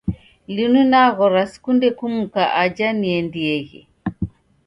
Linu naghora sikunde kumuka aja niendieghe.